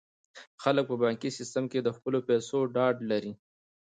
خلک په بانکي سیستم کې د خپلو پیسو ډاډ لري.